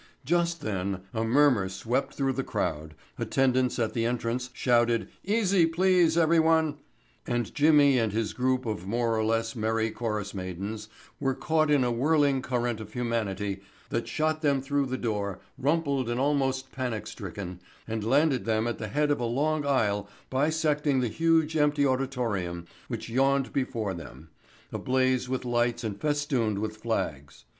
Just then a murmur swept through the crowd; attendants at the entrance shouted "easy, please, everyone," and Jimmy and his group of more or less merry chorus maidens were caught in a whirling current of humanity which shot them through the door, rumpled and almost panic stricken, and landed them at the head of a long aisle bisecting the huge empty auditorium which yawned before them, ablaze with lights and festooned with flags.